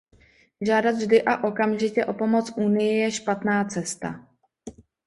Žádat vždy a okamžitě o pomoc Unii je špatná cesta.